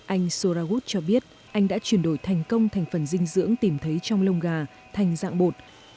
anh soragut cho biết anh đã chuyển đổi thành công thành phần dinh dưỡng tìm thấy trong lông gà thành dạng bột